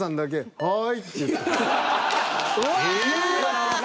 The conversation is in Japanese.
はい。